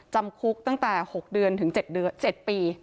จำคุกตั้งแต่๖เดือนถึง๗ปี